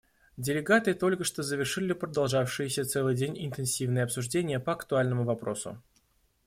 Делегаты только что завершили продолжавшиеся целый день интенсивные обсуждения по актуальному вопросу.